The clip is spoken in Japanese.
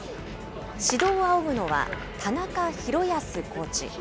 指導を仰ぐのは、田中浩康コーチ。